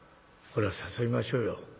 これは誘いましょうよ」。